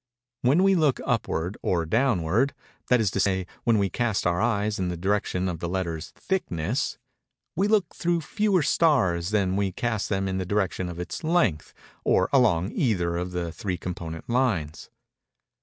When we look upward or downward—that is to say, when we cast our eyes in the direction of the letter's thickness—we look through fewer stars than when we cast them in the direction of its length, or along either of the three component lines.